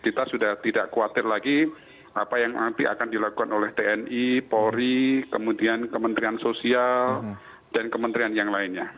kita sudah tidak khawatir lagi apa yang nanti akan dilakukan oleh tni polri kemudian kementerian sosial dan kementerian yang lainnya